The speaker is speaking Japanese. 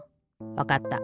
わかった。